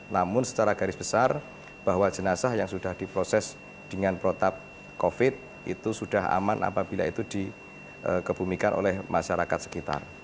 namun secara garis besar bahwa jenazah yang sudah diproses dengan protap covid itu sudah aman apabila itu dikebumikan oleh masyarakat sekitar